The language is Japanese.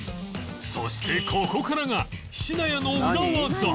そしてここからが